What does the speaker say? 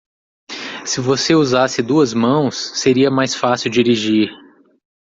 Se você usasse duas mãos, seria mais fácil dirigir.